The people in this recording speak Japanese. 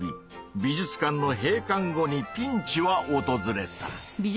美術館の閉館後にピンチはおとずれた。